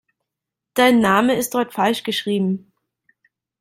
Dein Name ist dort falsch geschrieben.